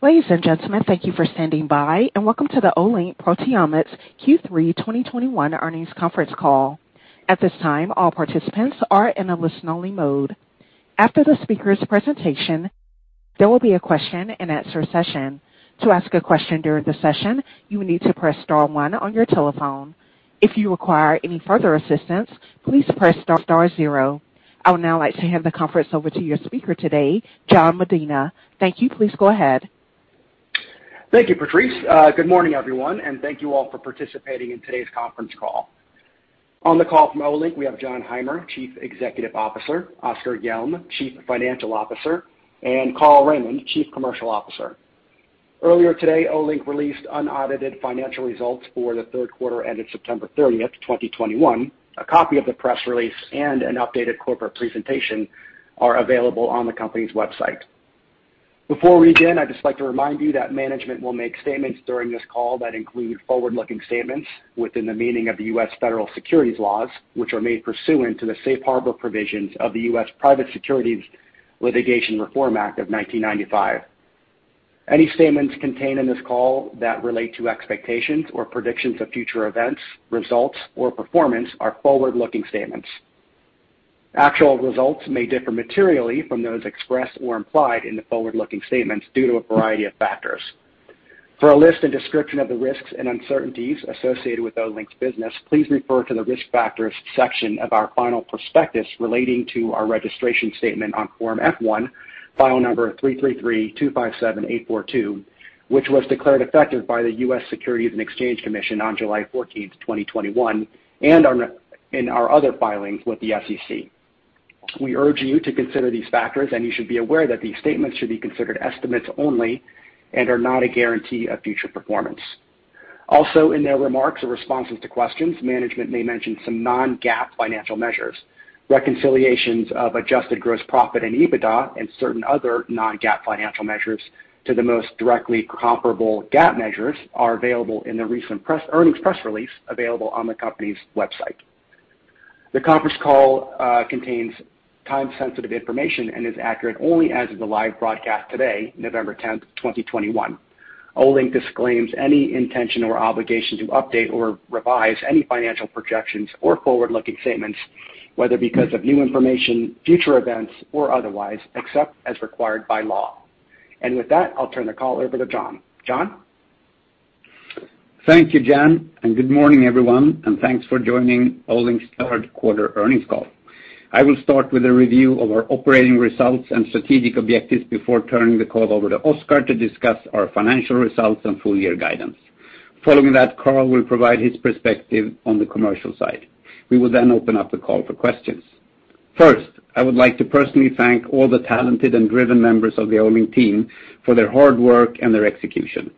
Ladies and gentlemen, thank you for standing by and welcome to the Olink Proteomics Q3 2021 earnings conference call. At this time, all participants are in a listen-only mode. After the speaker's presentation, there will be a question-and-answer session. To ask a question during the session, you will need to press star one on your telephone. If you require any further assistance, please press star zero. I would now like to hand the conference over to your speaker today, Jan Medina. Thank you. Please go ahead. Thank you, Patrice. Good morning, everyone, and thank you all for participating in today's conference call. On the call from Olink, we have Jon Heimer, Chief Executive Officer, Oskar Hjelm, Chief Financial Officer, and Carl Raimond, Chief Commercial Officer. Earlier today, Olink released unaudited financial results for the third quarter ended September 30, 2021. A copy of the press release and an updated corporate presentation are available on the company's website. Before we begin, I'd just like to remind you that management will make statements during this call that include forward-looking statements within the meaning of the U.S. Federal Securities laws, which are made pursuant to the Safe Harbor provisions of the U.S. Private Securities Litigation Reform Act of 1995. Any statements contained in this call that relate to expectations or predictions of future events, results, or performance are forward-looking statements. Actual results may differ materially from those expressed or implied in the forward-looking statements due to a variety of factors. For a list and description of the risks and uncertainties associated with Olink's business, please refer to the Risk Factors section of our final prospectus relating to our registration statement on Form F-1, file number three three three two five seven eight four two, which was declared effective by the U.S. Securities and Exchange Commission on July 14, 2021, and our other filings with the SEC. We urge you to consider these factors, and you should be aware that these statements should be considered estimates only and are not a guarantee of future performance. Also, in their remarks or responses to questions, management may mention some non-GAAP financial measures. Reconciliations of adjusted gross profit and EBITDA and certain other non-GAAP financial measures to the most directly comparable GAAP measures are available in the recent earnings press release available on the company's website. The conference call contains time-sensitive information and is accurate only as of the live broadcast today, November 10, 2021. Olink disclaims any intention or obligation to update or revise any financial projections or forward-looking statements, whether because of new information, future events, or otherwise, except as required by law. With that, I'll turn the call over to Jon. Jon? Thank you, Jan, and good morning, everyone, and thanks for joining Olink's third quarter earnings call. I will start with a review of our operating results and strategic objectives before turning the call over to Oskar to discuss our financial results and full-year guidance. Following that, Carl will provide his perspective on the commercial side. We will then open up the call for questions. First, I would like to personally thank all the talented and driven members of the Olink team for their hard work and their execution.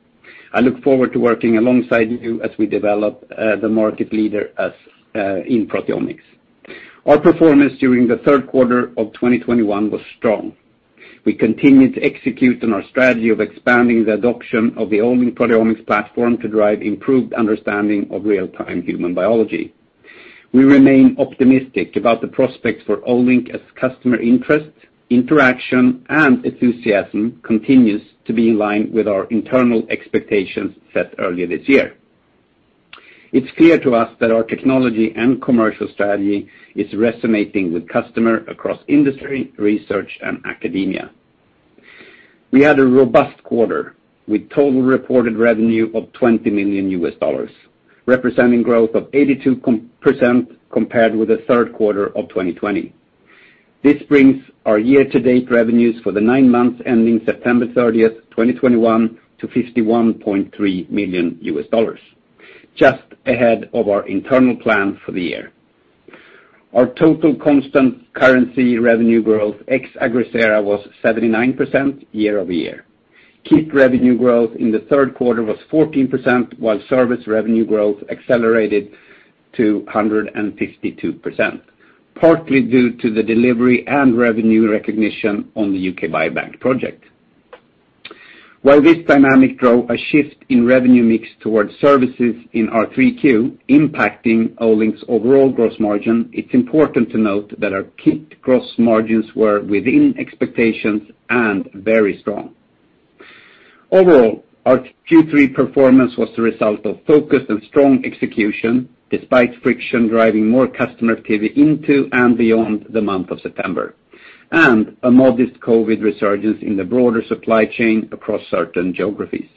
I look forward to working alongside you as we develop the market leader as in proteomics. Our performance during the third quarter of 2021 was strong. We continued to execute on our strategy of expanding the adoption of the Olink Proteomics platform to drive improved understanding of real-time human biology. We remain optimistic about the prospects for Olink as customer interest, interaction, and enthusiasm continue to be in line with our internal expectations set earlier this year. It's clear to us that our technology and commercial strategy is resonating with customers across industries, research, and academia. We had a robust quarter with total reported revenue of $20 million, representing growth of 82% compared with the third quarter of 2020. This brings our year-to-date revenues for the nine months ending September 30th, 2021, to $51.3 million, just ahead of our internal plan for the year. Our total constant currency revenue growth ex Agrisera was 79% year-over-year. Kit revenue growth in the third quarter was 14%, while service revenue growth accelerated to 152%, partly due to the delivery and revenue recognition on the UK Biobank project. While this dynamic drove a shift in revenue mix towards services in our Q3, impacting Olink's overall gross margin, it's important to note that our kit gross margins were within expectations and very strong. Overall, our Q3 performance was the result of focused and strong execution, despite friction driving more customer activity into and beyond the month of September, and a modest COVID resurgence in the broader supply chain across certain geographies.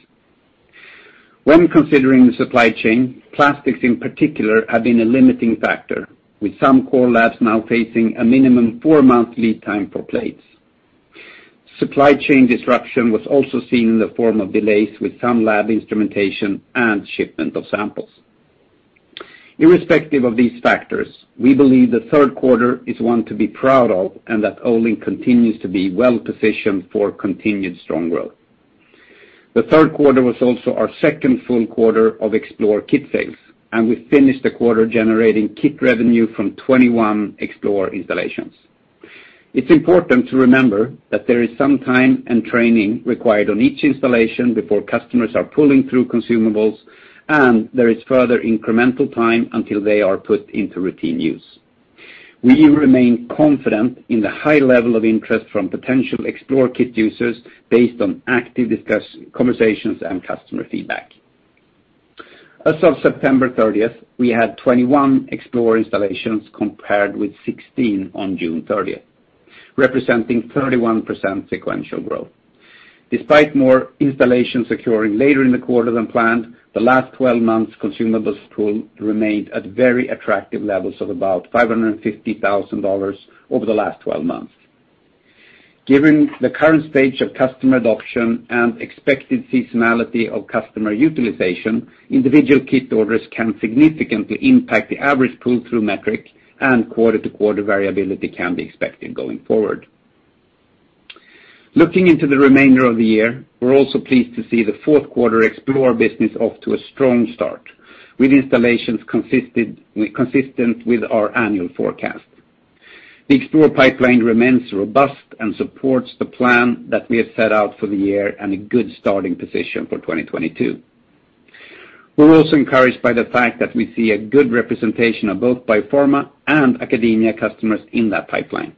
When considering the supply chain, plastics in particular have been a limiting factor, with some core labs now facing a minimum four-month lead time for plates. Supply chain disruption was also seen in the form of delays with some lab instrumentation and shipment of samples. Irrespective of these factors, we believe the third quarter is one to be proud of and that Olink continues to be well-positioned for continued strong growth. The third quarter was also our second full quarter of Explore kit sales, and we finished the quarter generating kit revenue from 21 Explore installations. It's important to remember that there is some time and training required on each installation before customers are pulling through consumables, and there is further incremental time until they are put into routine use. We remain confident in the high level of interest from potential Explore kit users based on active conversations and customer feedback. As of September 30th, we had 21 Explore installations compared with 16 on June 30th, representing 31% sequential growth. Despite more installations occurring later in the quarter than planned, the last 12 months' consumables pool remained at very attractive levels of about $550,000 over the last 12 months. Given the current stage of customer adoption and expected seasonality of customer utilization, individual kit orders can significantly impact the average pull-through metric, and quarter-to-quarter variability can be expected going forward. Looking into the remainder of the year, we're also pleased to see the fourth quarter Explore business off to a strong start, with installations consistent with our annual forecast. The Explore pipeline remains robust and supports the plan that we have set out for the year, and a good starting position for 2022. We're also encouraged by the fact that we see a good representation of both biopharma and academia customers in that pipeline.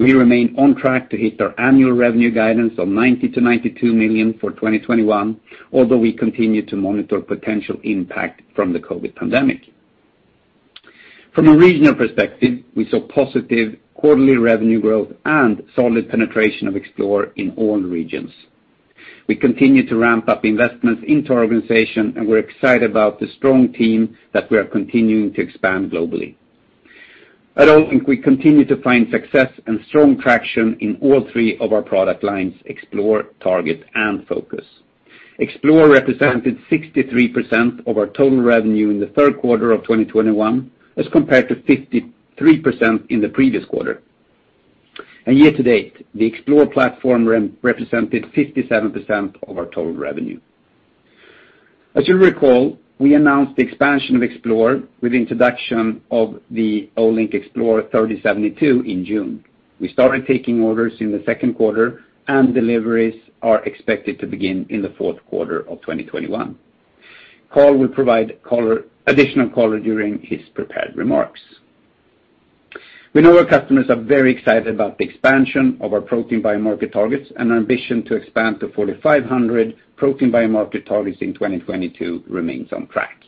We remain on track to hit our annual revenue guidance of $90 million-$92 million for 2021, although we continue to monitor potential impact from the COVID pandemic. From a regional perspective, we saw positive quarterly revenue growth and solid penetration of Explore in all regions. We continue to ramp up investments into our organization, and we're excited about the strong team that we are continuing to expand globally. At Olink, we continue to find success and strong traction in all three of our product lines, Explore, Target, and Focus. Explore represented 63% of our total revenue in the third quarter of 2021, as compared to 53% in the previous quarter. Year-to-date, the Explore platform represented 57% of our total revenue. As you'll recall, we announced the expansion of Explore with the introduction of the Olink Explore 3072 in June. We started taking orders in the second quarter, and deliveries are expected to begin in the fourth quarter of 2021. Carl will provide additional color during his prepared remarks. We know our customers are very excited about the expansion of our protein biomarker targets, and our ambition to expand to 4,500 protein biomarker targets in 2022 remains on track.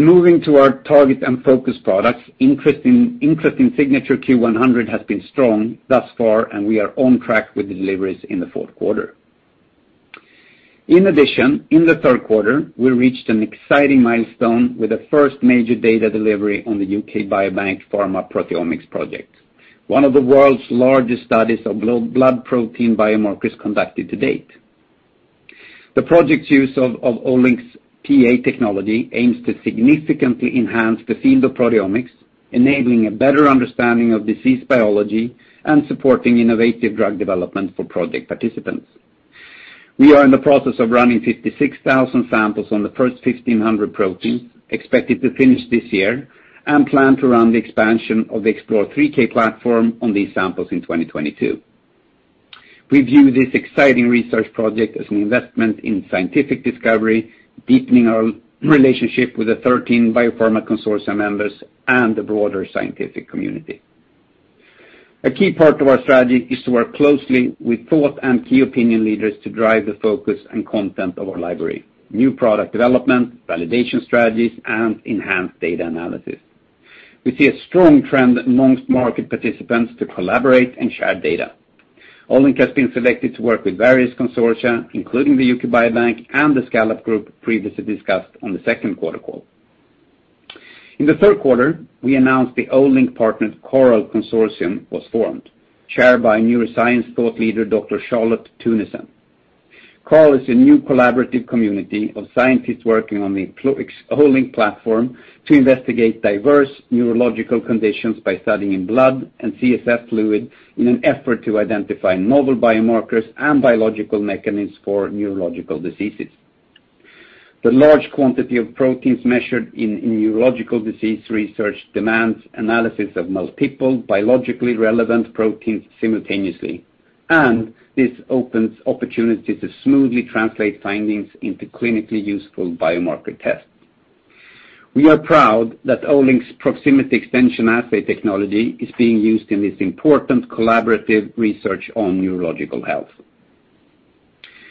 Moving to our Target and Focus products, interest in Signature Q100 has been strong thus far, and we are on track with the deliveries in the fourth quarter. In addition, in the third quarter, we reached an exciting milestone with the first major data delivery on the UK Biobank Pharma Proteomics Project, one of the world's largest studies of blood protein biomarkers conducted to date. The project's use of Olink's PEA technology aims to significantly enhance the field of proteomics, enabling a better understanding of disease biology and supporting innovative drug development for project participants. We are in the process of running 56,000 samples on the first 1,500 proteins, expected to finish this year, and plan to run the expansion of the Explore 3K platform on these samples in 2022. We view this exciting research project as an investment in scientific discovery, deepening our relationship with the 13 biopharma consortium members and the broader scientific community. A key part of our strategy is to work closely with thought leaders and key opinion leaders to drive the focus and content of our library, new product development, validation strategies, and enhanced data analysis. We see a strong trend amongst market participants to collaborate and share data. Olink has been selected to work with various consortia, including the UK Biobank and the SCALLOP group previously discussed on the second quarter call. In the third quarter, we announced the Olink-partnered CORAL Consortium was formed, chaired by neuroscience thought leader Dr. Charlotte Teunissen. CORAL is a new collaborative community of scientists working on the Olink platform to investigate diverse neurological conditions by studying blood and CSF fluid in an effort to identify novel biomarkers and biological mechanisms for neurological diseases. The large quantity of proteins measured in neurological disease research demands analysis of most biologically relevant proteins simultaneously, and this opens opportunities to smoothly translate findings into clinically useful biomarker tests. We are proud that Olink's proximity extension assay technology is being used in this important collaborative research on neurological health.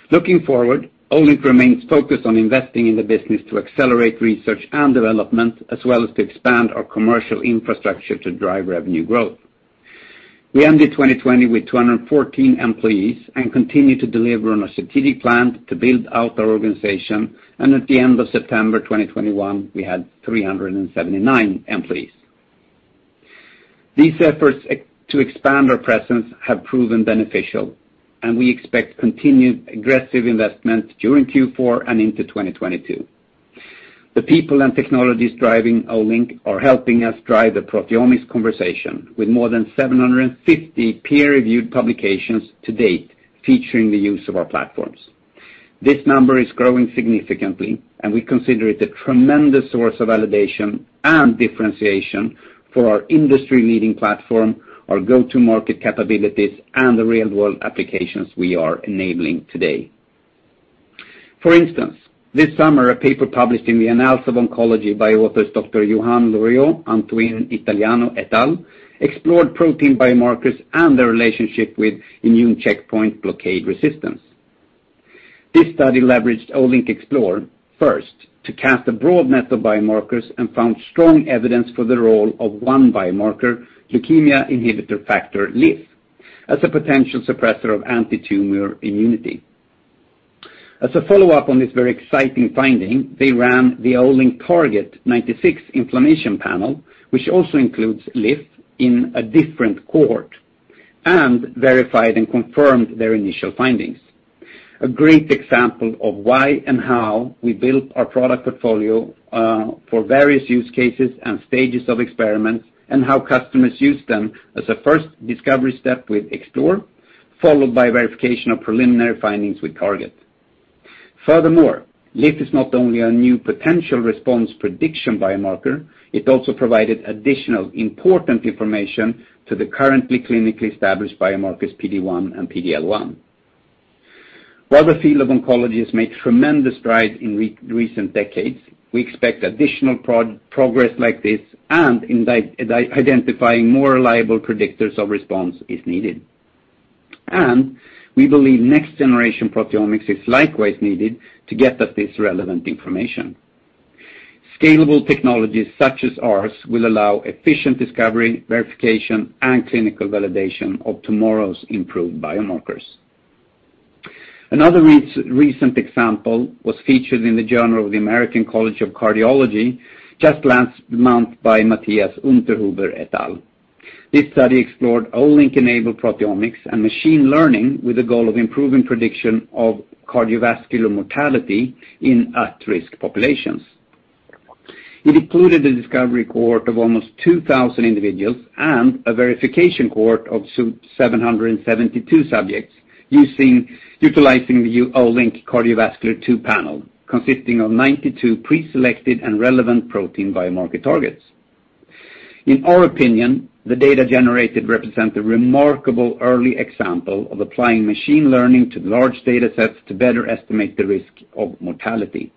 Looking forward, Olink remains focused on investing in the business to accelerate research and development, as well as to expand our commercial infrastructure to drive revenue growth. We ended 2020 with 214 employees and continue to deliver on our strategic plan to build out our organization. At the end of September 2021, we had 379 employees. These efforts to expand our presence have proven beneficial, and we expect continued aggressive investment during Q4 and into 2022. The people and technologies driving Olink are helping us drive the proteomics conversation, with more than 750 peer-reviewed publications to date featuring the use of our platforms. This number is growing significantly, and we consider it a tremendous source of validation and differentiation for our industry-leading platform, our go-to-market capabilities, and the real-world applications we are enabling today. For instance, this summer, a paper published in the Annals of Oncology by authors Dr. Johan Lorio, Antoine Italiano et al., explored protein biomarkers and their relationship with immune checkpoint blockade resistance. This study leveraged Olink Explore first to cast a broad net of biomarkers and found strong evidence for the role of one biomarker, leukemia inhibitory factor, LIF, as a potential suppressor of antitumor immunity. As a follow-up on this very exciting finding, they ran the Olink Target 96 Inflammation panel, which also includes LIF in a different cohort, and verified and confirmed their initial findings. A great example of why and how we built our product portfolio for various use cases and stages of experiments, and how customers use them as a first discovery step with Explore, followed by verification of preliminary findings with Target. Furthermore, LIF is not only a new potential response prediction biomarker, it is also provided additional important information to the currently clinically established biomarkers, PD-1 and PD-L1. While the field of oncology has made tremendous strides in recent decades, we expect additional progress like this, and in identifying more reliable predictors of response is needed. We believe next-generation proteomics is likewise needed to get us this relevant information. Scalable technologies such as ours will allow efficient discovery, verification, and clinical validation of tomorrow's improved biomarkers. Another recent example was featured in the Journal of the American College of Cardiology just last month by Matthias Unterhuber et al. This study explored Olink-enabled proteomics and machine learning with the goal of improving prediction of cardiovascular mortality in at-risk populations. It included a discovery cohort of almost 2000 individuals and a verification cohort of 772 subjects utilizing the Olink Cardiovascular II panel, consisting of 92 preselected and relevant protein biomarker targets. In our opinion, the data generated represent a remarkable early example of applying machine learning to large data sets to better estimate the risk of mortality.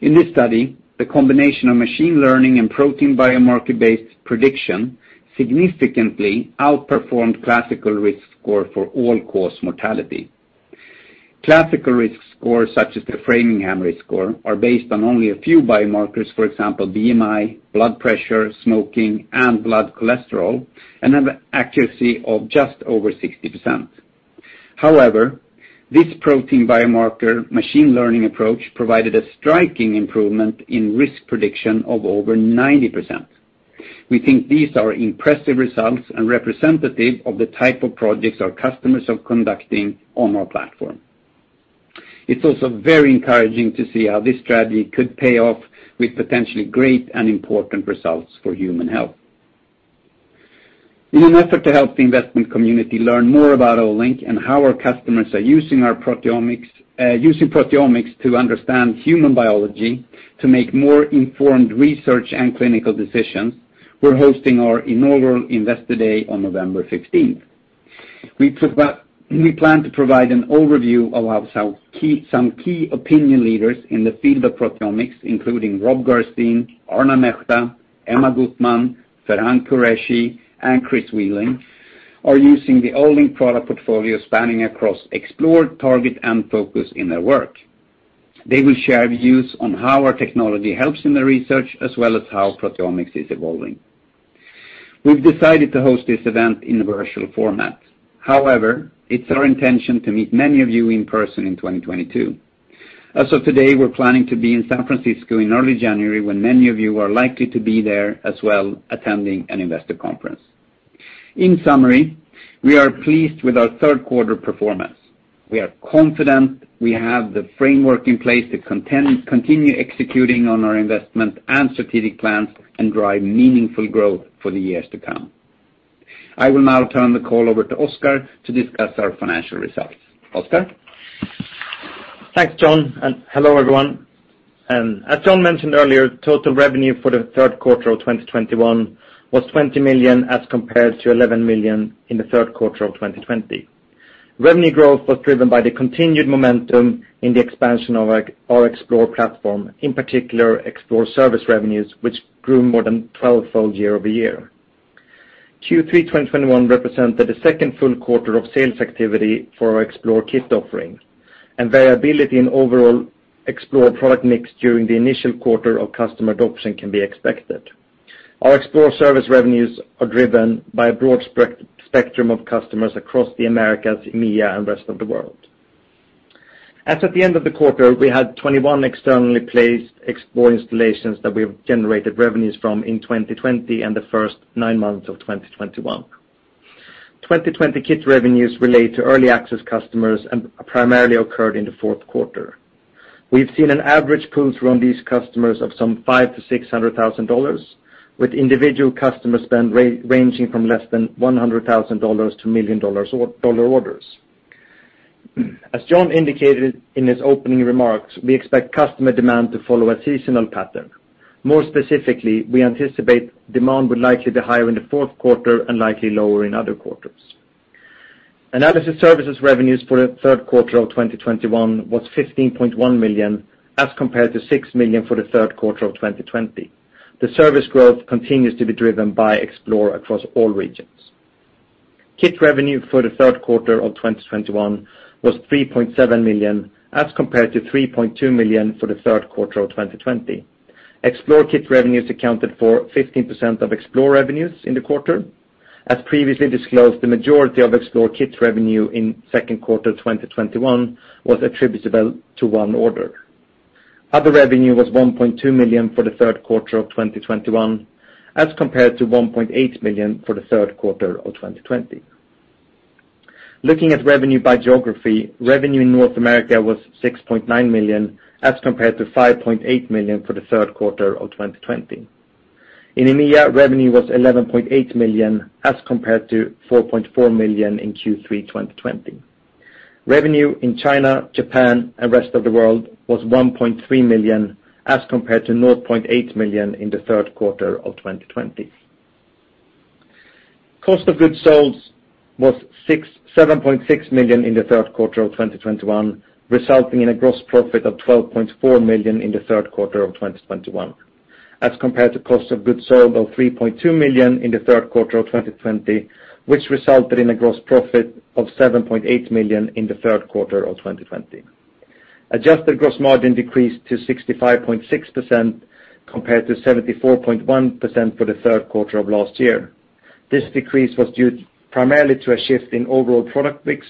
In this study, the combination of machine learning and protein biomarker-based prediction significantly outperformed the classical risk score for all-cause mortality. Classical risk scores, such as the Framingham Risk Score, are based on only a few biomarkers, for example, BMI, blood pressure, smoking, and blood cholesterol, and have an accuracy of just over 60%. However, this protein biomarker machine learning approach provided a striking improvement in risk prediction of over 90%. We think these are impressive results and representative of the type of projects our customers are conducting on our platform. It's also very encouraging to see how this strategy could pay off with potentially great and important results for human health. In an effort to help the investment community learn more about Olink and how our customers are using our proteomics, using proteomics to understand human biology, to make more informed research and clinical decisions, we're hosting our inaugural Investor Day on November 16th. We plan to provide an overview of how some key opinion leaders in the field of proteomics, including Rob Gerszten, Arna Mehta, Emma Guttman-Yassky, Farhan Qureshi, and Chris Whelan, are using the Olink product portfolio spanning across Explore, Target, and Focus in their work. They will share views on how our technology helps in their research, as well as how proteomics is evolving. We've decided to host this event in a virtual format. However, it's our intention to meet many of you in person in 2022. As of today, we're planning to be in San Francisco in early January, when many of you are likely to be there as well, attending an investor conference. In summary, we are pleased with our third quarter performance. We are confident we have the framework in place to continue executing on our investment and strategic plans and drive meaningful growth for the years to come. I will now turn the call over to Oskar to discuss our financial results. Oskar? Thanks, John, and hello, everyone. As John mentioned earlier, total revenue for the third quarter of 2021 was $20 million, as compared to $11 million in the third quarter of 2020. Revenue growth was driven by the continued momentum in the expansion of our Explore platform, in particular, Explore service revenues, which grew more than 12-fold year-over-year. Q3 2021 represented the second full quarter of sales activity for our Explore kit offering, and variability in the overall Explore product mix during the initial quarter of customer adoption can be expected. Our Explore service revenues are driven by a broad spectrum of customers across the Americas, EMEA, and rest of the world. As at the end of the quarter, we had 21 externally placed Explore installations that we've generated revenues from in 2020 and the first nine months of 2021. 2020 kit revenues relate to early access customers and primarily occurred in the fourth quarter. We've seen an average pull-through on these customers of some $500,000-$600,000, with individual customer spend ranging from less than $100,000 to $1 million or dollar orders. As John indicated in his opening remarks, we expect customer demand to follow a seasonal pattern. More specifically, we anticipate demand will likely be higher in the fourth quarter and likely lower in other quarters. Analysis services revenues for the third quarter of 2021 was $15.1 million, as compared to $6 million for the third quarter of 2020. The service growth continues to be driven by Explore across all regions. Kit revenue for the third quarter of 2021 was $3.7 million, as compared to $3.2 million for the third quarter of 2020. Explore kit revenues accounted for 15% of Explore revenues in the quarter. As previously disclosed, the majority of Explore kit revenue in the second quarter of 2021 was attributable to one order. Other revenue was $1.2 million for the third quarter of 2021, as compared to $1.8 million for the third quarter of 2020. Looking at revenue by geography, revenue in North America was $6.9 million, as compared to $5.8 million for the third quarter of 2020. In EMEA, revenue was $11.8 million, as compared to $4.4 million in Q3 2020. Revenue in China, Japan, and the rest of the world was $1.3 million, as compared to $0.8 million in the third quarter of 2020. Cost of goods sold was $7.6 million in the third quarter of 2021, resulting in a gross profit of $12.4 million in the third quarter of 2021, as compared to cost of goods sold of $3.2 million in the third quarter of 2020, which resulted in a gross profit of $7.8 million in the third quarter of 2020. Adjusted gross margin decreased to 65.6% compared to 74.1% for the third quarter of last year. This decrease was due primarily to a shift in overall product mix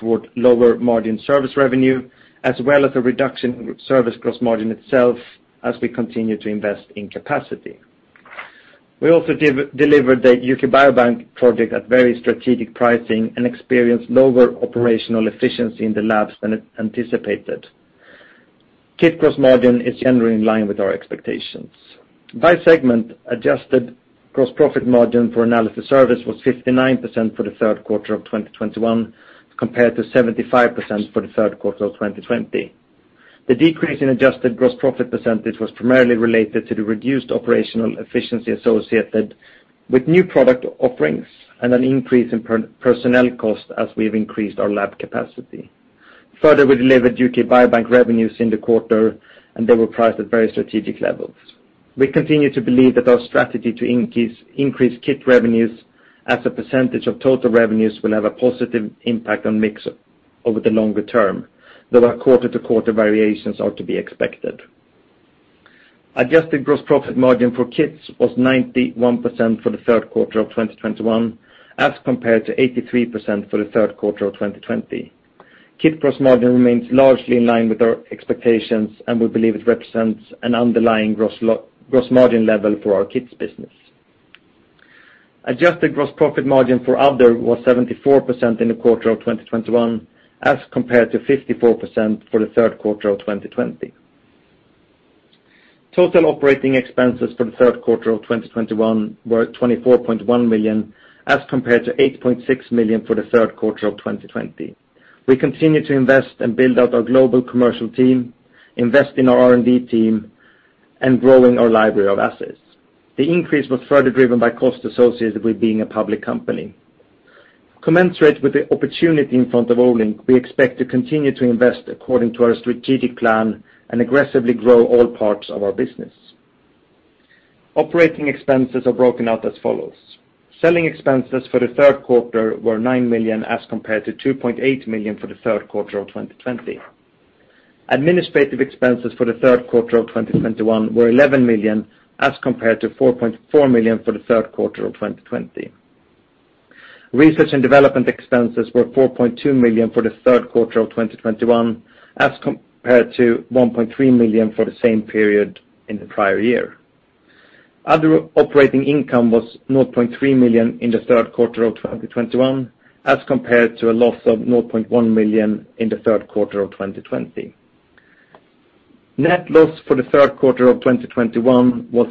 toward lower-margin service revenue, as well as a reduction in service gross margin itself as we continue to invest in capacity. We also delivered the UK Biobank project at very strategic pricing and experienced lower operational efficiency in the labs than anticipated. Kit's gross margin is generally in line with our expectations. By segment, adjusted gross profit margin for analysis service was 59% for the third quarter of 2021, compared to 75% for the third quarter of 2020. The decrease in adjusted gross profit percentage was primarily related to the reduced operational efficiency associated with new product offerings and an increase in personnel costs as we've increased our lab capacity. Further, we delivered UK Biobank revenues in the quarter, and they were priced at very strategic levels. We continue to believe that our strategy to increase kit revenues as a percentage of total revenues will have a positive impact on mix over the longer term, though our quarter-to-quarter variations are to be expected. Adjusted gross profit margin for kits was 91% for the third quarter of 2021, as compared to 83% for the third quarter of 2020. Kit gross margin remains largely in line with our expectations, and we believe it represents an underlying gross margin level for our kits business. Adjusted gross profit margin for other was 74% in the quarter of 2021, as compared to 54% for the third quarter of 2020. Total operating expenses for the third quarter of 2021 were $24.1 million, as compared to $8.6 million for the third quarter of 2020. We continue to invest and build out our global commercial team, invest in our R&D team, and growing our library of assets. The increase was further driven by costs associated with being a public company. Commensurate with the opportunity in front of Olink, we expect to continue to invest according to our strategic plan and aggressively grow all parts of our business. Operating expenses are broken out as follows. Selling expenses for the third quarter were $9 million, as compared to $2.8 million for the third quarter of 2020. Administrative expenses for the third quarter of 2021 were $11 million, as compared to $4.4 million for the third quarter of 2020. Research and development expenses were $4.2 million for the third quarter of 2021, as compared to $1.3 million for the same period in the prior year. Other operating income was $0.3 million in the third quarter of 2021, as compared to a loss of $0.1 million in the third quarter of 2020. Net loss for the third quarter of 2021 was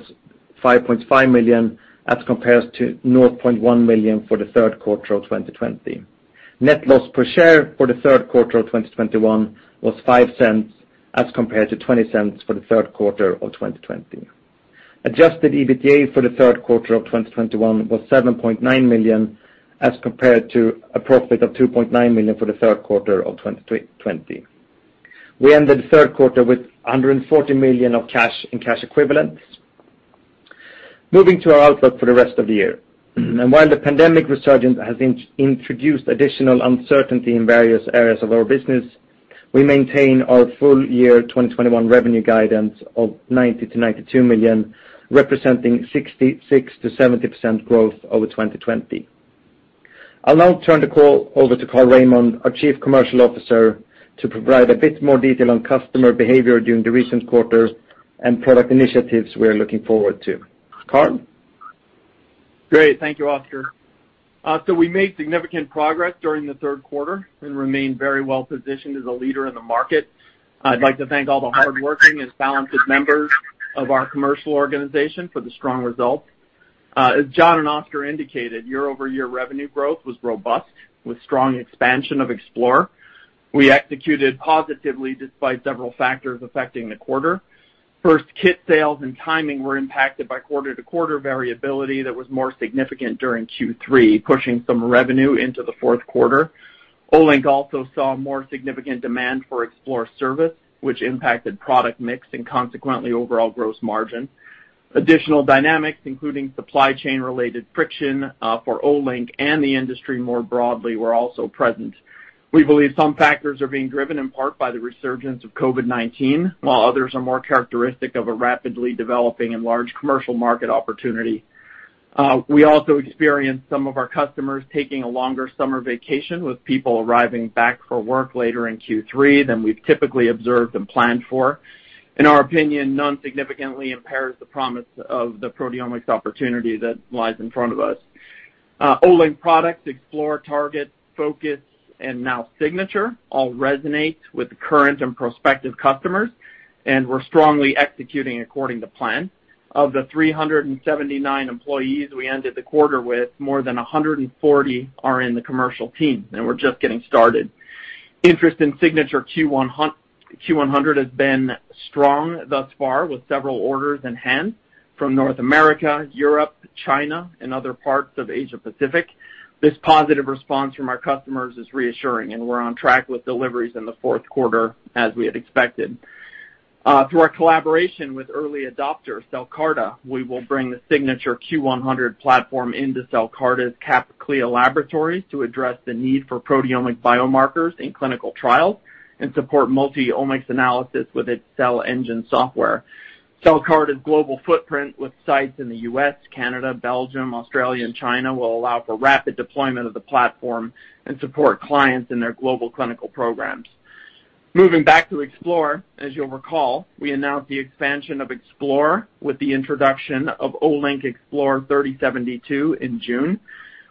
$5.5 million, as compared to $0.1 million for the third quarter of 2020. Net loss per share for the third quarter of 2021 was $0.05, as compared to $0.20 for the third quarter of 2020. Adjusted EBITDA for the third quarter of 2021 was $7.9 million, as compared to a profit of $2.9 million for the third quarter of 2020. We ended the third quarter with $140 million of cash and cash equivalents. Moving to our outlook for the rest of the year. While the pandemic resurgence has introduced additional uncertainty in various areas of our business, we maintain our full-year 2021 revenue guidance of $90 million-$92 million, representing 66%-70% growth over 2020. I'll now turn the call over to Carl Raimond, our Chief Commercial Officer, to provide a bit more detail on customer behavior during the recent quarter and product initiatives we are looking forward to. Carl? Great. Thank you, Oskar. We made significant progress during the third quarter and remain very well-positioned as a leader in the market. I'd like to thank all the hardworking and talented members of our commercial organization for the strong results. As Jon and Oskar indicated, year-over-year revenue growth was robust, with strong expansion of Explore. We executed positively despite several factors affecting the quarter. First, kit sales and timing were impacted by quarter-to-quarter variability that was more significant during Q3, pushing some revenue into the fourth quarter. Olink also saw more significant demand for Explore service, which impacted product mix and consequently overall gross margin. Additional dynamics, including supply chain-related friction, for Olink and the industry more broadly, were also present. We believe some factors are being driven in part by the resurgence of COVID-19, while others are more characteristic of a rapidly developing and large commercial market opportunity. We also experienced some of our customers taking a longer summer vacation, with people arriving back for work later in Q3 than we've typically observed and planned for. In our opinion, none significantly impairs the promise of the proteomics opportunity that lies in front of us. Olink products, Explore, Target, Focus, and now Signature all resonate with current and prospective customers, and we're strongly executing according to plan. Of the 379 employees we ended the quarter with, more than 140 are in the commercial team, and we're just getting started. Interest in Signature Q100 has been strong thus far, with several orders in hand from North America, Europe, China, and other parts of Asia Pacific. This positive response from our customers is reassuring, and we're on track with deliveries in the fourth quarter as we had expected. Through our collaboration with early adopter CellCarta, we will bring the Signature Q100 platform into CellCarta's CAP/CLIA laboratories to address the need for proteomic biomarkers in clinical trials and support multi-omics analysis with its CellEngine software. CellCarta's global footprint with sites in the U.S., Canada, Belgium, Australia, and China will allow for rapid deployment of the platform and support clients in their global clinical programs. Moving back to Explore, as you'll recall, we announced the expansion of Explore with the introduction of Olink Explore 3072 in June.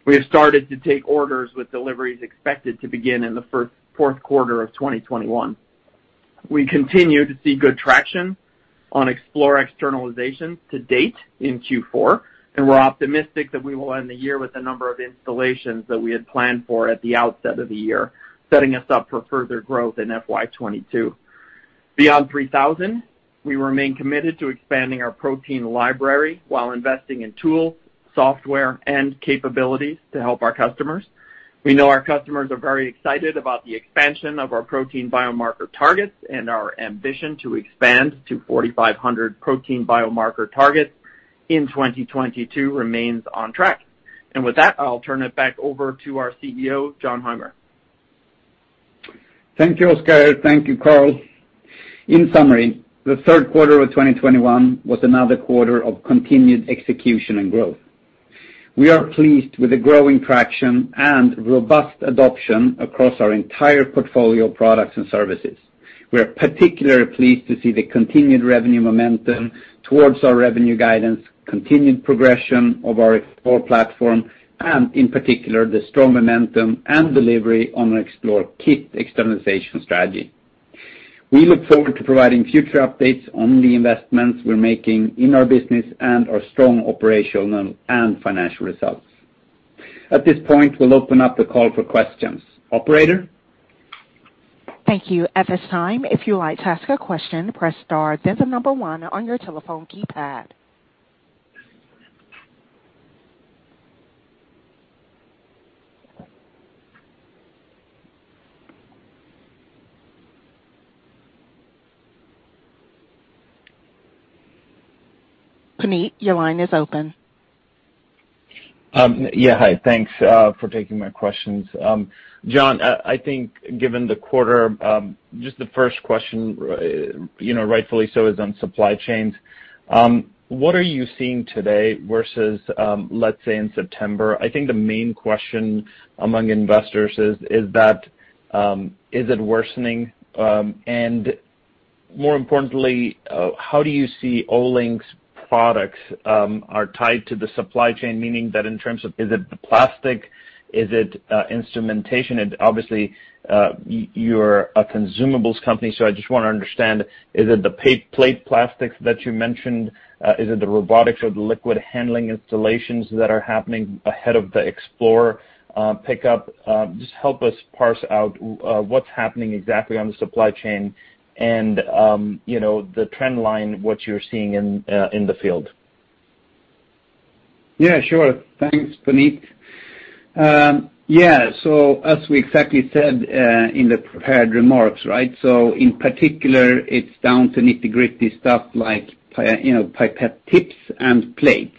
We have started to take orders with deliveries expected to begin in the fourth quarter of 2021. We continue to see good traction on Explore externalizations to date in Q4, and we're optimistic that we will end the year with the number of installations that we had planned for at the outset of the year, setting us up for further growth in FY 2022. Beyond 3,000, we remain committed to expanding our protein library while investing in tools, software, and capabilities to help our customers. We know our customers are very excited about the expansion of our protein biomarker targets, and our ambition to expand to 4,500 protein biomarker targets in 2022 remains on track. With that, I'll turn it back over to our CEO, Jon Heimer. Thank you, Oskar. Thank you, Carl. In summary, the third quarter of 2021 was another quarter of continued execution and growth. We are pleased with the growing traction and robust adoption across our entire portfolio of products and services. We are particularly pleased to see the continued revenue momentum towards our revenue guidance, continued progression of our Explore platform, and, in particular, the strong momentum and delivery on our Explore kit externalization strategy. We look forward to providing future updates on the investments we're making in our business and our strong operational and financial results. At this point, we'll open up the call for questions. Operator? Thank you. At this time, if you'd like to ask a question, press star then the number one on your telephone keypad. Puneet, your line is open. Yeah. Hi, thanks for taking my questions. Jon, I think given the quarter, just the first question, you know, rightfully so, is on supply chains. What are you seeing today versus, let's say, in September? I think the main question among investors is that, is it worsening? And more importantly, how do you see Olink's products are tied to the supply chain? Meaning that in terms of. Is it the plastic? Is it, instrumentation? Obviously, you're a consumables company, so I just wanna understand, is it the plate plastics that you mentioned? Is it the robotics or the liquid handling installations that are happening ahead of the Explore, pickup? Just help us parse out what's happening exactly on the supply chain and, you know, the trend line, what you're seeing in the field. Yeah, sure. Thanks, Puneet. As we exactly said, in the prepared remarks, right? In particular, it's down to nitty-gritty stuff like, you know, pipette tips and plates.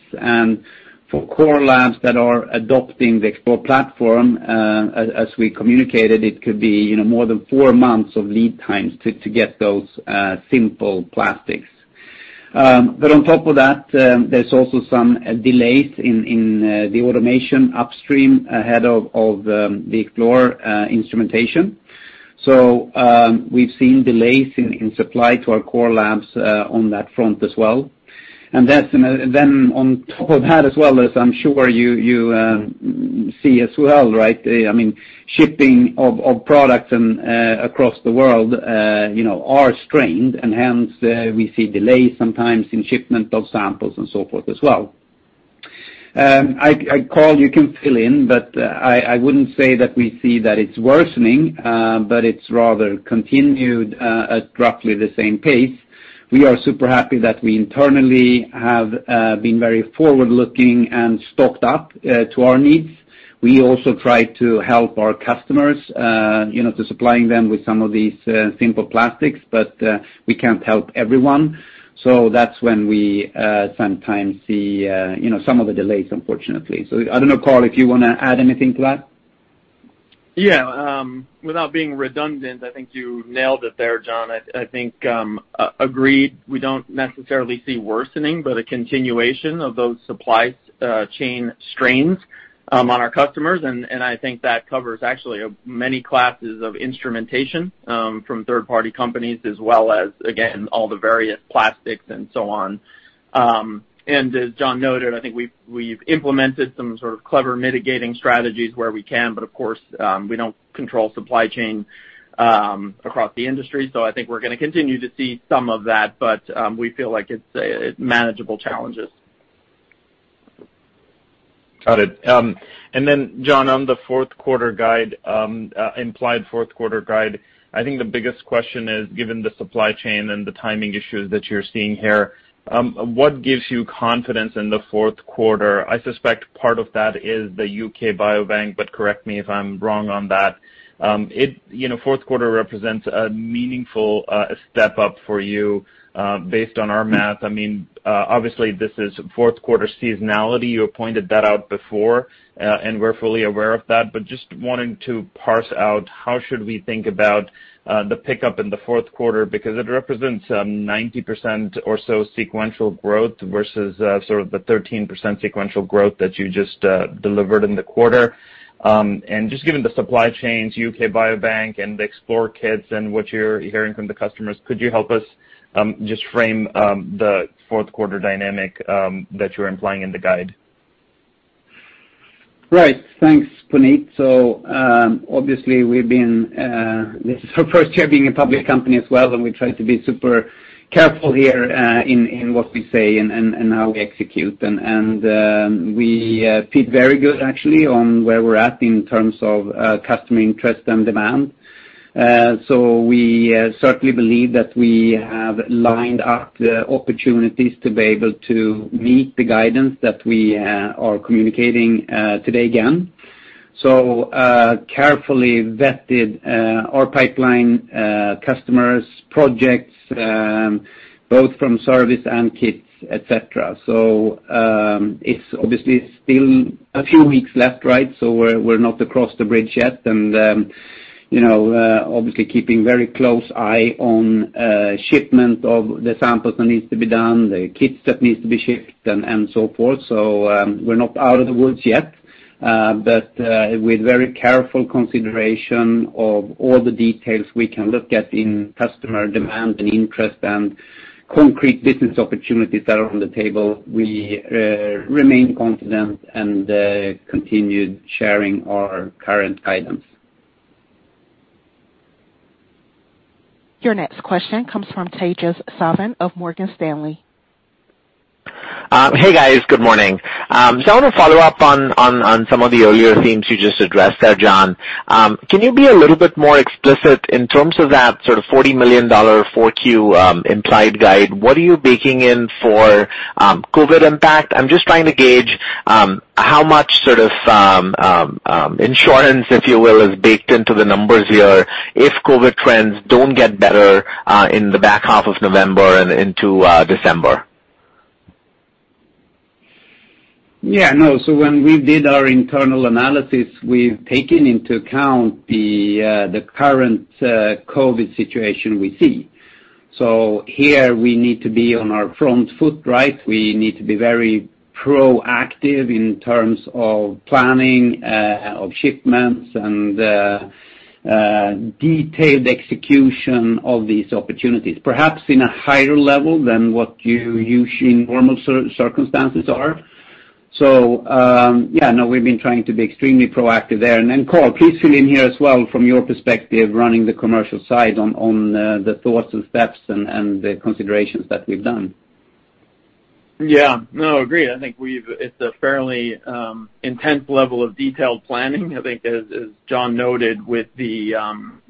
For core labs that are adopting the Explore platform, as we communicated, it could be, you know, more than four months of lead time to get those simple plastics. But on top of that, there's also some delays in the automation upstream ahead of the Explore instrumentation. We've seen delays in supply to our core labs, on that front as well. On top of that, as well, as I'm sure you see as well, right? I mean, shipping of products and across the world, you know, are strained, and hence, we see delays sometimes in shipment of samples and so forth as well. I, Carl, you can fill in, but, I wouldn't say that we see that it's worsening, but it's rather continued at roughly the same pace. We are super happy that we internally have been very forward-looking and stocked up to our needs. We also try to help our customers, you know, to supplying them with some of these simple plastics, but, we can't help everyone. That's when we sometimes see, you know, some of the delays, unfortunately. I don't know, Carl, if you wanna add anything to that. Yeah. Without being redundant, I think you nailed it there, Jon. I think agreed, we don't necessarily see worsening, but a continuation of those supply chain strains on our customers. I think that covers actually many classes of instrumentation from third-party companies, as well as, again, all the various plastics and so on. As Jon noted, I think we've implemented some sort of clever mitigating strategies where we can, but of course, we don't control the supply chain across the industry. I think we're gonna continue to see some of that, but we feel like it's manageable challenges. Got it. Jon, on the fourth quarter guide, implied fourth quarter guide, I think the biggest question is, given the supply chain and the timing issues that you're seeing here, what gives you confidence in the fourth quarter? I suspect part of that is the UK Biobank, but correct me if I'm wrong on that. You know, fourth quarter represents a meaningful step up for you, based on our math. I mean, obviously, this is fourth quarter seasonality. You pointed that out before, and we're fully aware of that. Just wanting to parse out how should we think about the pickup in the fourth quarter because it represents 90% or so sequential growth versus sort of the 13% sequential growth that you just delivered in the quarter. Just given the supply chains, UK Biobank, and the Explore Kits, and what you're hearing from the customers, could you help us just frame the fourth quarter dynamic that you're implying in the guide? Right. Thanks, Puneet. Obviously, this is our first year being a public company as well, and we try to be super careful here in what we say and how we execute. We feel very good, actually, on where we're at in terms of customer interest and demand. We certainly believe that we have lined up the opportunities to be able to meet the guidance that we are communicating today again. We have carefully vetted our pipeline, customers, projects, both from service and kits, et cetera. It's obviously still a few weeks left, right? We're not across the bridge yet and, you know, obviously keeping a very close eye on shipment of the samples that need to be done, the kits that need to be shipped, and so forth. We're not out of the woods yet, but with very careful consideration of all the details we can look at in customer demand and interest and concrete business opportunities that are on the table, we remain confident and continue sharing our current guidance. Your next question comes from Tejas Savant of Morgan Stanley. Hey, guys. Good morning. I want to follow up on some of the earlier themes you just addressed there, Jon. Can you be a little bit more explicit in terms of that sort of $40 million Q4 implied guide? What are you baking in for COVID impact? I'm just trying to gauge how much sort of insurance, if you will, is baked into the numbers here if COVID trends don't get better in the back half of November and into December. Yeah, no. When we did our internal analysis, we've taken into account the current COVID situation we see. Here we need to be on our front foot, right? We need to be very proactive in terms of planning of shipments and detailed execution of these opportunities, perhaps in a higher level than what you usually in normal circumstances are. Yeah, no, we've been trying to be extremely proactive there. Then, Carl, please fill in here as well from your perspective, running the commercial side on the thoughts, and steps, and the considerations that we've done. Yeah. No, agreed. I think it's a fairly intense level of detailed planning. I think, as John noted, with the,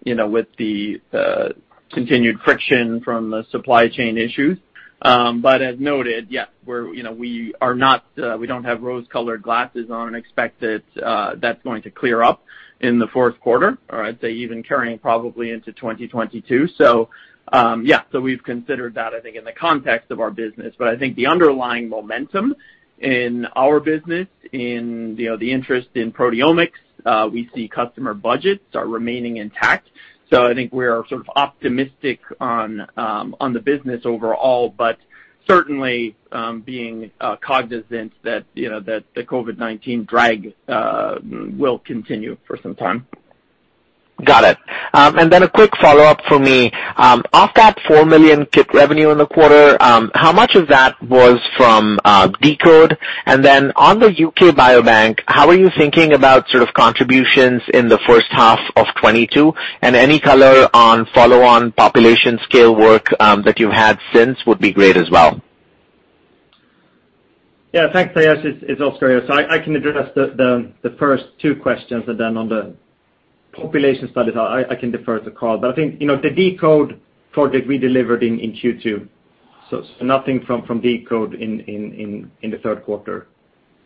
you know, with the continued friction from the supply chain issues. But as noted, yeah, we're, you know, we are not, we don't have rose-colored glasses on and expect that's going to clear up in the fourth quarter, or I'd say even carrying probably into 2022. Yeah, we've considered that, I think, in the context of our business. But I think the underlying momentum in our business, in, you know, the interest in proteomics, we see customer budgets are remaining intact. I think we're sort of optimistic on the business overall, but certainly being cognizant that, you know, that the COVID-19 drag will continue for some time. Got it. Then a quick follow-up for me. Of that $4 million kit revenue in the quarter, how much of that was from deCODE? Then, on the UK Biobank, how are you thinking about sort of contributions in the first half of 2022? Any color on follow-on population-scale work that you've had since would be great as well. Thanks, Tejas. It's Oskar here. I can address the first two questions, and then on the population studies, I can defer to Carl. I think, you know, the deCODE project we delivered in Q2, so nothing from deCODE in the third quarter.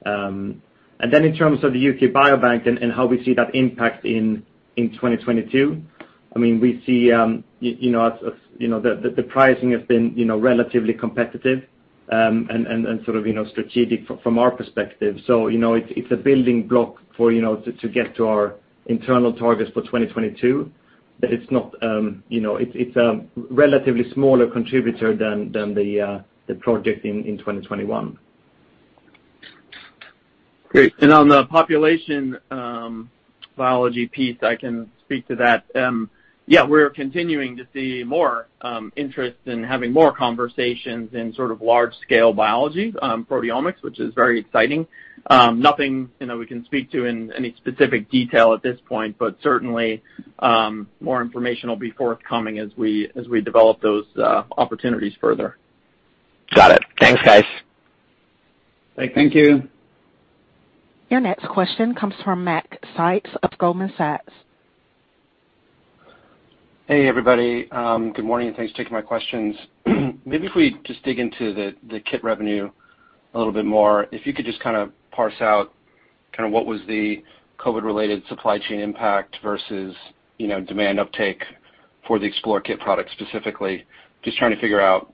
And then in terms of the UK Biobank and how we see that impact in 2022, I mean, we see, you know, as you know, the pricing has been, you know, relatively competitive, and sort of, you know, strategic from our perspective. You know, it's a building block for, you know, to get to our internal targets for 2022. It's not, you know, it's a relatively smaller contributor than the project in 2021. Great. On the population biology piece, I can speak to that. Yeah, we're continuing to see more interest and having more conversations in sort of large-scale biology proteomics, which is very exciting. Nothing, you know, we can speak to in any specific detail at this point, but certainly more information will be forthcoming as we develop those opportunities further. Got it. Thanks, guys. Thank you. Thank you. Your next question comes from Matt Sykes of Goldman Sachs. Hey, everybody. Good morning, and thanks for taking my questions. Maybe if we just dig into the kit revenue a little bit more, if you could just kind of parse out kind of what was the COVID-related supply chain impact versus, you know, demand uptake for the Explore kit product specifically. Just trying to figure out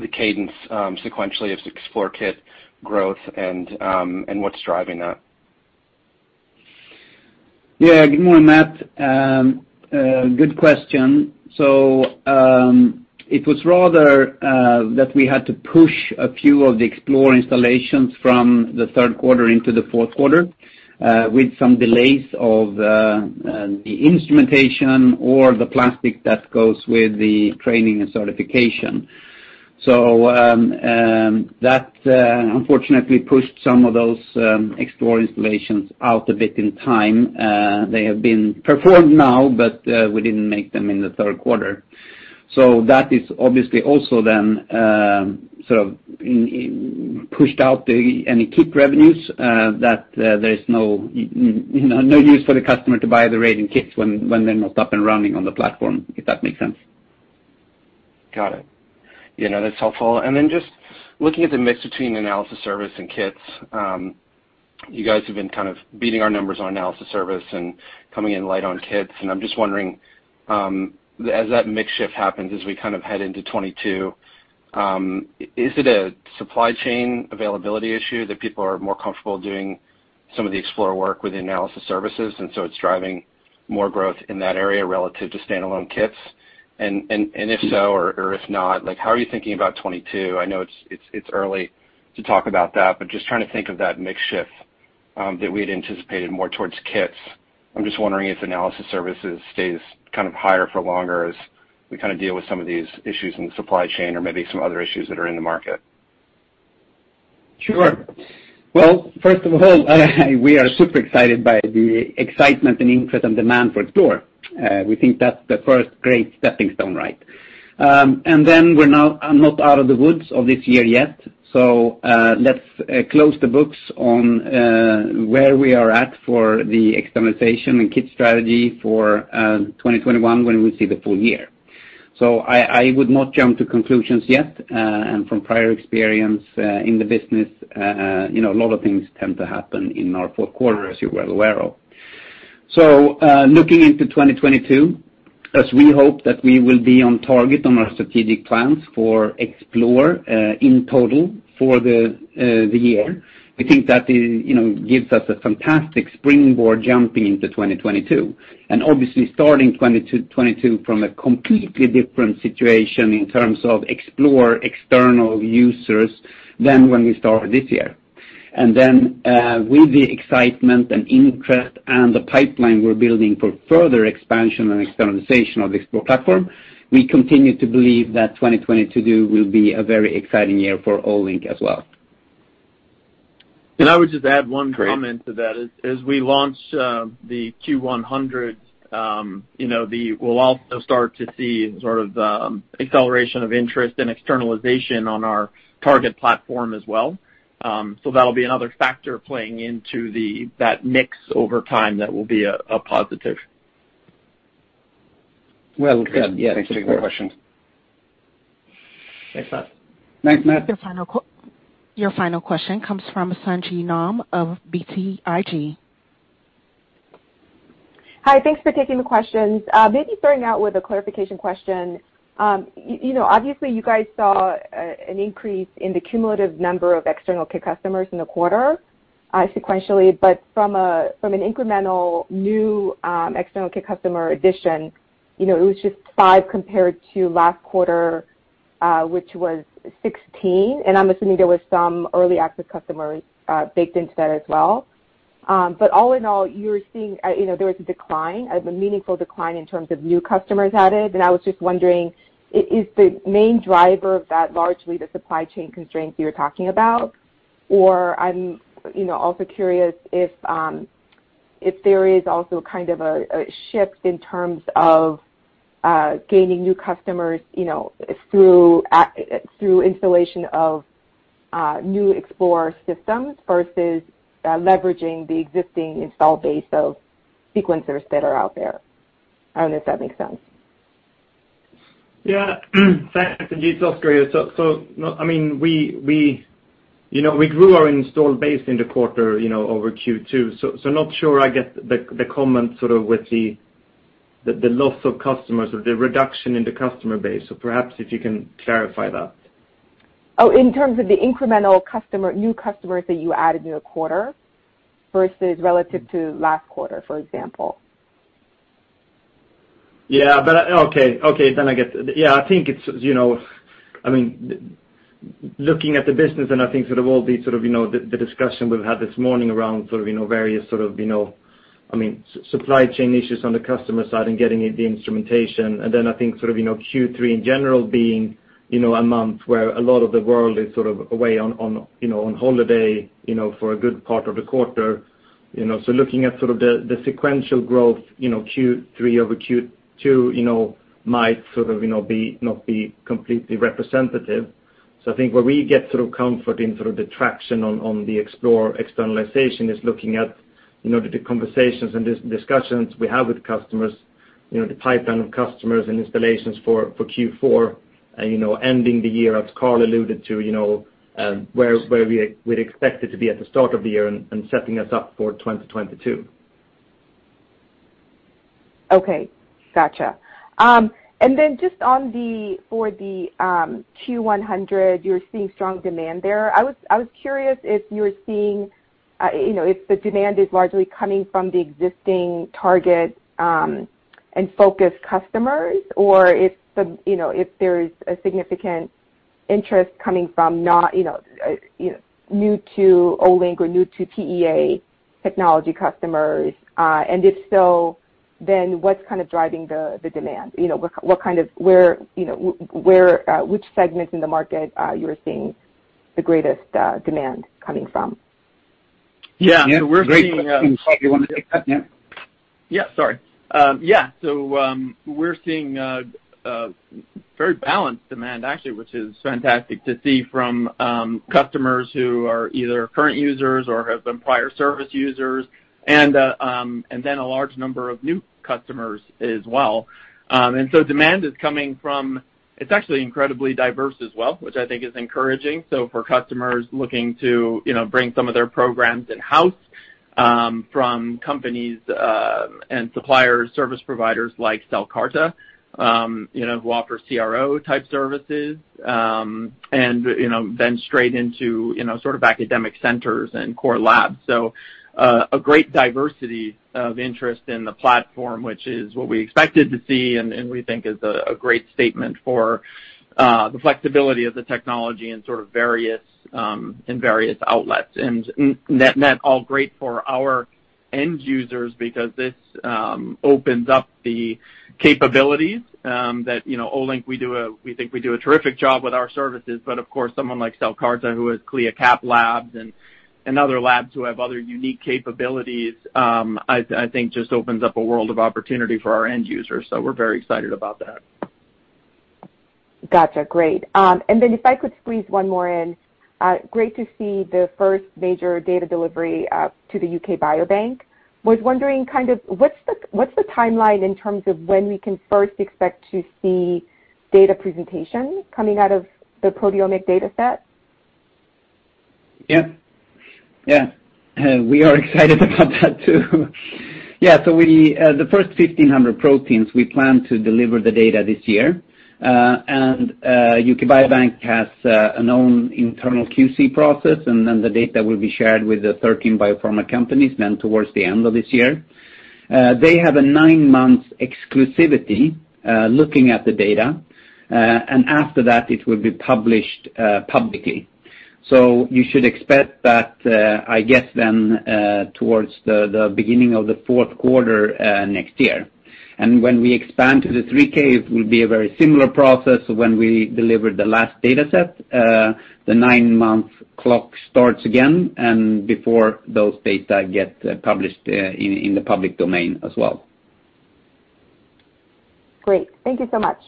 the cadence sequentially of the Explore kit growth and what's driving that. Yeah. Good morning, Matt. Good question. It was rather that we had to push a few of the Explore installations from the third quarter into the fourth quarter, with some delays of the instrumentation or the plastic that goes with the training and certification. That unfortunately pushed some of those Explore installations out a bit in time. They have been performed now, but we didn't make them in the third quarter. That is obviously also then sort of pushed out any kit revenues that there is no, you know, no use for the customer to buy the reagent kits when they're not up and running on the platform, if that makes sense. Got it. You know, that's helpful. Then, just looking at the mix between analysis service and kits, you guys have been kind of beating our numbers on analysis service and coming in light on kits. I'm just wondering, as that mix shift happens as we kind of head into 2022, is it a supply chain availability issue that people are more comfortable doing some of the Explore work with the analysis services, and so it's driving more growth in that area relative to standalone kits? If so or if not, like, how are you thinking about 2022? I know it's early to talk about that, but just trying to think of that mix shift that we had anticipated more towards kits. I'm just wondering if analysis services stay kind of higher for longer, as we kind of deal with some of these issues in the supply chain, or maybe some other issues that are in the market. Sure. Well, first of all, we are super excited by the excitement, and interest, and demand for Explore. We think that's the first great stepping stone, right? We're now not out of the woods of this year yet. Let's close the books on where we are at for the externalization and kit strategy for 2021 when we see the full-year. I would not jump to conclusions yet, and from prior experience in the business, you know, a lot of things tend to happen in our fourth quarter, as you were aware of. Looking into 2022, as we hope that we will be on target on our strategic plans for Explore, in total for the year, I think that is, you know, gives us a fantastic springboard jumping into 2022, and obviously starting 2022 from a completely different situation in terms of Explore external users than when we started this year. With the excitement and interest and the pipeline we're building for further expansion and externalization of the Explore platform, we continue to believe that 2022 will be a very exciting year for Olink as well. I would just add one comment to that. As we launch the Q100, you know, we'll also start to see sort of the acceleration of interest and externalization on our target platform as well. That'll be another factor playing into that mix over time that will be a positive. Well, yeah. Great. Thanks for taking my questions. Thanks, Matt. Thanks, Matt. Your final question comes from Sung Ji Nam of BTIG. Hi. Thanks for taking the questions. Maybe starting out with a clarification question. You know, obviously, you guys saw an increase in the cumulative number of external kit customers in the quarter sequentially. From an incremental new external kit customer addition, you know, it was just five compared to last quarter, which was 16, and I'm assuming there was some early access customers baked into that as well. All in all, you're seeing, you know, there was a decline, a meaningful decline in terms of new customers added, and I was just wondering is the main driver of that largely the supply chain constraints you're talking about? I'm also curious if there is also a kind of a shift in terms of gaining new customers, you know, through the installation of new Explore systems versus leveraging the existing install base of sequencers that are out there. I don't know if that makes sense. Yeah. Thanks. It's Oskar here. No, I mean, you know, we grew our installed base in the quarter, you know, over Q2. Not sure, I get the loss of customers or the reduction in the customer base. Perhaps if you can clarify that. Oh, in terms of the incremental customer, new customers that you added in the quarter versus relative to last quarter, for example. I think it's, you know, I mean, looking at the business, and I think sort of all the sort of, you know, the discussion we've had this morning around sort of, you know, various sort of, you know, I mean, supply chain issues on the customer side and getting the instrumentation. I think sort of, you know, Q3 in general being, you know, a month where a lot of the world is sort of away on, you know, on holiday, you know, for a good part of the quarter. You know, looking at sort of the sequential growth, you know, Q3 over Q2, you know, might sort of, you know, not be completely representative. I think where we get sort of comfort in sort of the traction on the Explore externalization is looking at, you know, the conversations and discussions we have with customers, you know, the pipeline of customers and installations for Q4 and, you know, ending the year, as Carl alluded to, you know, where we'd expect it to be at the start of the year and setting us up for 2022. Okay. Gotcha. For the Q100, you're seeing strong demand there. I was curious if you were seeing, you know, if the demand is largely coming from the existing Target and Focus customers or if, you know, if there's a significant interest coming from new to Olink or new to PEA technology customers. If so, then what's kind of driving the demand? You know, what kind of where, you know, which segments in the market you're seeing the greatest demand coming from? Yeah. We're seeing, Yeah. Great question. Carl, you wanna take that? Yeah. Yeah, sorry. Yeah. We're seeing very balanced demand, actually, which is fantastic to see from customers who are either current users or have been prior service users, and then a large number of new customers as well. Demand is coming from. It's actually incredibly diverse as well, which I think is encouraging. For customers looking to, you know, bring some of their programs in-house from companies and suppliers, service providers like CellCarta, you know, who offer CRO-type services and then straight into, you know, sort of academic centers and core labs. A great diversity of interest in the platform, which is what we expected to see, and we think is a great statement for the flexibility of the technology in sort of various outlets. That's all great for our end users because this opens up the capabilities that, you know, Olink, we think we do a terrific job with our services. Of course, someone like CellCarta, who has CLIA/CAP labs and other labs who have other unique capabilities, I think just opens up a world of opportunity for our end users. We're very excited about that. Gotcha. Great. And then, if I could squeeze one more in. Great to see the first major data delivery to the UK Biobank. Was wondering kind of what's the timeline in terms of when we can first expect to see data presentation coming out of the proteomic dataset? We are excited about that too. The first 1,500 proteins, we plan to deliver the data this year. UK Biobank has a known internal QC process, and then the data will be shared with the 13 biopharma companies towards the end of this year. They have a nine-month exclusivity looking at the data, and after that, it will be published publicly. You should expect that, I guess, towards the beginning of the fourth quarter next year. When we expand to the 3K, it will be a very similar process to when we delivered the last dataset. The nine-month clock starts again, and before those data get published in the public domain as well. Great. Thank you so much.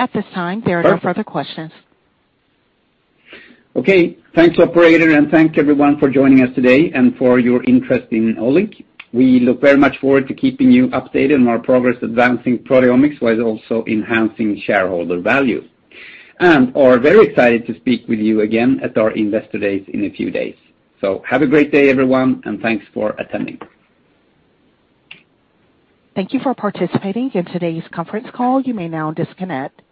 At this time, there are no further questions. Okay. Thanks, operator, and thanks everyone for joining us today and for your interest in Olink. We look very much forward to keeping you updated on our progress advancing proteomics while also enhancing shareholder value. We are very excited to speak with you again at our investor days in a few days. Have a great day, everyone, and thanks for attending. Thank you for participating in today's conference call. You may now disconnect.